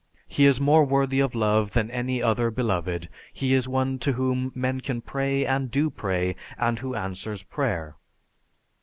He is more worthy of love than any other beloved ... He is one to whom men can pray and do pray, and who answers prayer."